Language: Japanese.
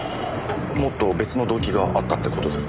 もっと別の動機があったって事ですか？